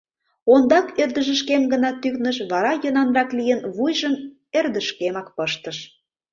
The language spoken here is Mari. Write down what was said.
Ондак ӧрдыжышкем гына тӱкныш, вара, йӧнанрак лийын, вуйжым эрдышкемак пыштыш.